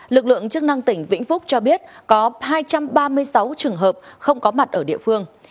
lực lượng chức năng tỉnh vĩnh phúc cho biết có hai trăm ba mươi sáu trường hợp không có mặt ở địa phương